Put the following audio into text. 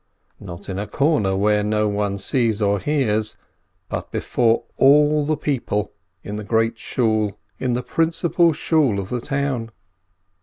Not in a corner where no one sees or hears, but before all the people in the great Shool, in the principal Shool of the town.